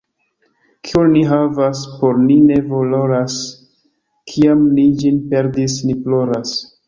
Kion ni havas, por ni ne valoras, — kiam ni ĝin perdis, ni ploras.